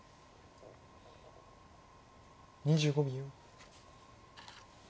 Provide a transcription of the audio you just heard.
２５秒。